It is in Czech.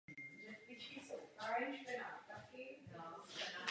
Pro svou velikost a váhu bylo možné dělo montovat pouze na velmi velká vozidla.